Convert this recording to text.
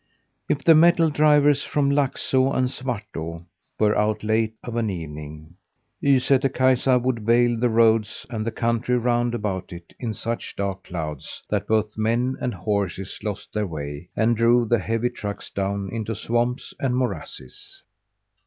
If the metal drivers from Laxå and Svartå were out late of an evening, Ysätter Kaisa would veil the roads and the country round about in such dark clouds that both men and horses lost their way and drove the heavy trucks down into swamps and morasses.